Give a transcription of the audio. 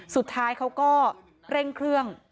สุดท้ายเขาก็เร่งเครื่อง